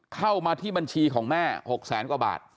เข้ามาที่บัญชีของแม่๖แสนกว่าบาท